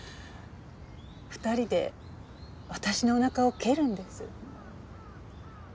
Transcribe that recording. ２人で私のおなかを蹴るんです。